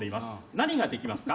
何ができますか。